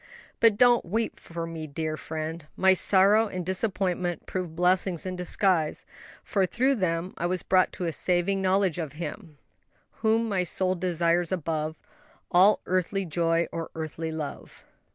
"But don't weep for me, dear friend, my sorrow and disappointment proved blessings in disguise, for through them I was brought to a saving knowledge of Him "'whom my soul desires above All earthly joy or earthly love.'"